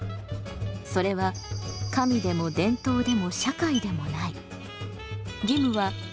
それは神でも伝統でも社会でもない。